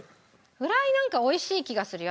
フライなんか美味しい気がするよ